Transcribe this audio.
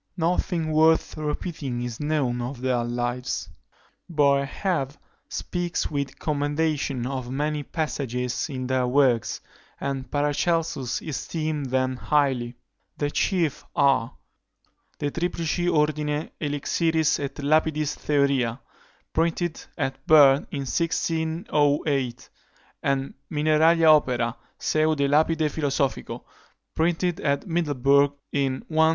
Nothing worth repeating is known of their lives. Boerhaave speaks with commendation of many passages in their works, and Paracelsus esteemed them highly: the chief are, De Triplici Ordine Elixiris et Lapidis Theoria, printed at Berne in 1608; and Mineralia Opera, seu de Lapide Philosophico, printed at Middleburg in 1600.